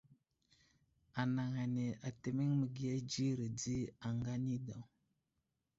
Anaŋ ane atəmeŋ məgiya dzire di aŋga anidaw.